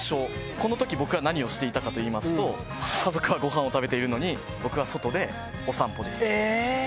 このとき、僕は何をしていたかといいますと、家族はごはんを食べているのに、ええっ。